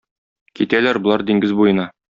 Китәләр болар диңгез буена.